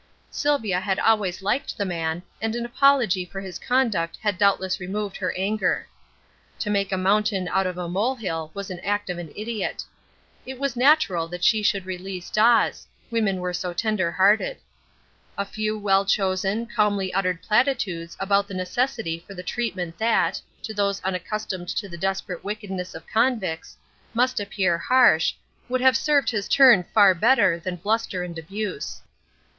Sylvia had always liked the man, and an apology for his conduct had doubtless removed her anger. To make a mountain out of a molehill was the act of an idiot. It was natural that she should release Dawes women were so tender hearted. A few well chosen, calmly uttered platitudes anent the necessity for the treatment that, to those unaccustomed to the desperate wickedness of convicts, must appear harsh, would have served his turn far better than bluster and abuse.